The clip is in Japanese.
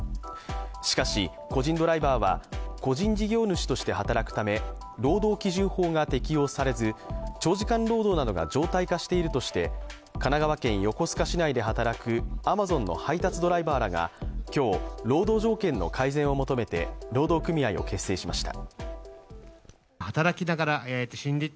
しかし、個人ドライバーは個人事業主として働くため、労働基準法が適用されず長時間労働などが常態化しているとして、神奈川県横須賀市内で働くアマゾンの配達ドライバーらが今日、労働条件の改善を求めて労働組合を結成しました。